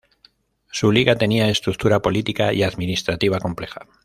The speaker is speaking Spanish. Su Liga tenía estructura política y administrativa compleja.